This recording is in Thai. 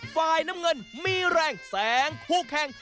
ฝ่ายน้ำเงินมีแรงแสงคู่แข่ง